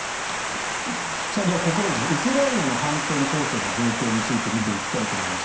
ではここからウクライナの反転攻勢の状況について見ていきたいと思います。